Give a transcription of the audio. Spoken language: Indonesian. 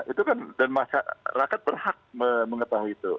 itu kan dan masyarakat berhak mengetahui itu